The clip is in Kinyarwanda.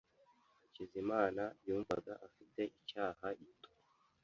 Hakizimana yumvaga afite icyaha gito.